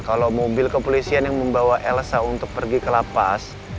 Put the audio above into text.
kalau mobil kepolisian yang membawa elsa untuk pergi ke lapas